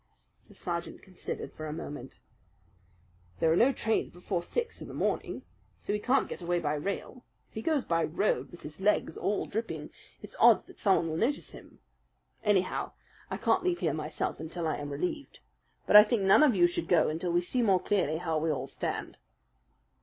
The sergeant considered for a moment. "There are no trains before six in the morning; so he can't get away by rail. If he goes by road with his legs all dripping, it's odds that someone will notice him. Anyhow, I can't leave here myself until I am relieved. But I think none of you should go until we see more clearly how we all stand."